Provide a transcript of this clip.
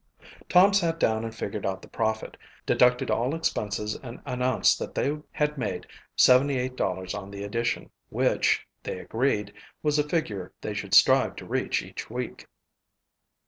Tom sat down and figured out the profit, deducted all expenses, and announced that they had made $78 on the edition, which, they agreed, was a figure they should strive to reach each week.